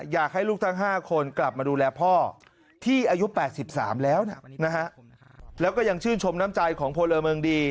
อยากให้ลูกทั้ง๕คนกลับมาดูแลพ่อที่อายุ๘๓แล้วนะฮะแล้วก็ยังชื่นชมน้ำใจของพลเมืองดี